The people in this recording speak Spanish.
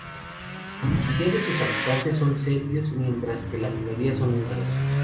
La mayoría de sus habitantes son serbios, mientras que la minoría son húngaros.